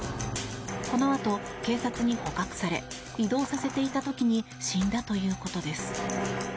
このあと警察に捕獲され移動させていた時に死んだということです。